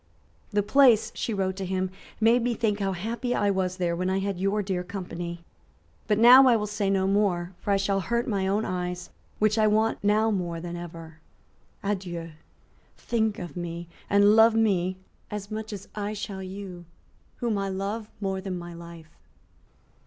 "The place," she wrote to him, "made me think how happy I was there when I had your dear company. But now I will say no more; for I shall hurt my own eyes, which I want now more than ever. Adieu. Think of me, and love me as much as I shall you, whom I love more than my life."